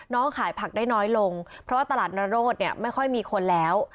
ขายผักได้น้อยลงเพราะว่าตลาดนโรธเนี่ยไม่ค่อยมีคนแล้ว